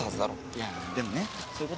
いやでもねそういうことじゃなくて。